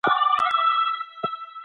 د اېرکنډیشن درجه باید لوړه کړل شي.